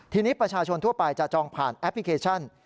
ทีนี้ประชาชนทั่วไปจะจองผ่านแอปพลิเคชัน